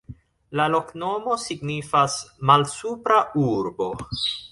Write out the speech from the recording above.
La loknomo signifas: Malsupra Urbo.